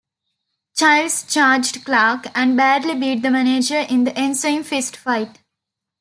Childs charged Clarke and badly beat the manager in the ensuing fistfight.